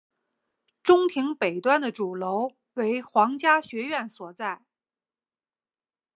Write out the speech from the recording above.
中庭北端的主楼为皇家学院所在。